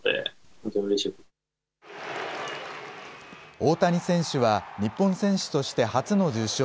大谷選手は、日本選手として初の受賞。